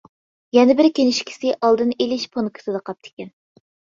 يەنە بىر كىنىشكىسى ئالدىنى ئېلىش پونكىتىدا قاپتىكەن.